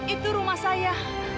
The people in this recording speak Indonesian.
itu rumah saya